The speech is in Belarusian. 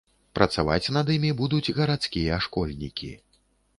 Працаваць над імі будуць гарадскія школьнікі.